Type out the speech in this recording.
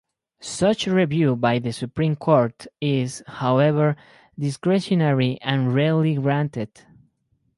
Such review by the Supreme Court is, however, discretionary and rarely granted.